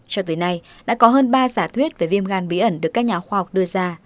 cho tới nay đã có hơn ba giả thuyết về viêm gan bí ẩn được các nhà khoa học đưa ra